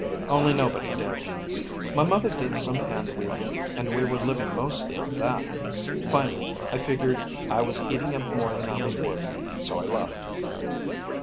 Only nobody did. My mother did some hand weaving and we were living mostly on that. Finally, I figured I was eating up more than I was worth. So I left."